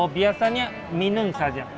biasanya minum saja